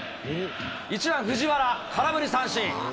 １番藤原、空振り三振。